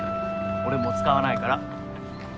俺もう使わないから。